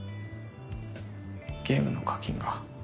ゲームの課金が。